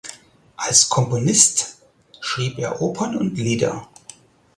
Als Komponist schrieb er Opern und Lieder.